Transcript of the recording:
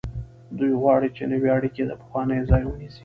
دوی غواړي چې نوې اړیکې د پخوانیو ځای ونیسي.